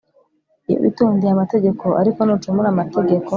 iyo witondeye amategeko: ariko nucumura amategeko